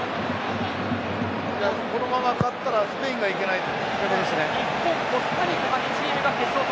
このまま勝ったらスペインが行けないってこと？